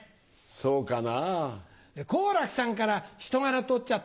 そうかな。